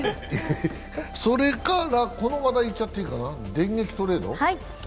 それから、この話題、いっちゃっていいかな、電撃トレード。